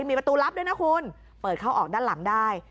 มีประตูลับด้วยนะคุณเปิดเข้าออกด้านหลังได้